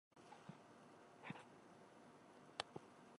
何もない、スーパーの中には何もなかった